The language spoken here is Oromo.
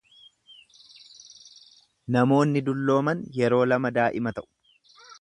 Namoonni dullooman yeroo lama daa'ima ta'u.